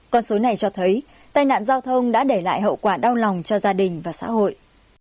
con số này cho thấy tai nạn giao thông đã để lại hậu quả đau lòng cho gia đình và xã hội